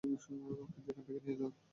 ওকে এখান থেকে নিয়ে যাও।